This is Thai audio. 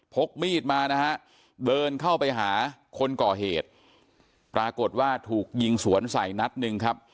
กมีดมานะฮะเดินเข้าไปหาคนก่อเหตุปรากฏว่าถูกยิงสวนใส่นัดหนึ่งครับ